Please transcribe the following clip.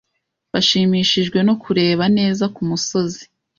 Bashimishijwe no kureba neza kumusozi.